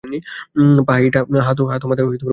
পা, পিঠ, হাত ও মাথায় গুরুতর চোট পান।